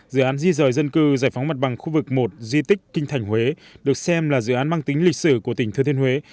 dự án di rời dân cư giải phóng mặt bằng khu vực một di tích kinh thành huế được xem là dự án mang tính lịch sử của tỉnh thừa thiên huế